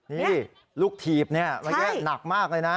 นี่ลูกทีบเนี่ยนักแยะหนักมากเลยนะ